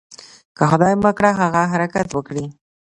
که خدای مه کړه هغه حرکت وکړي.